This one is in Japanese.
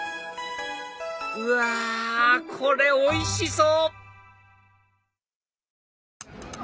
うわこれおいしそう！